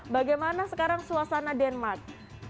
bagaimana sekarang suasana denmark